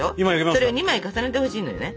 それを２枚重ねてほしいのよね。